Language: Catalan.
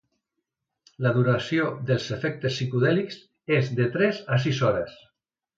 La duració dels efectes psicodèlics és de tres a sis hores.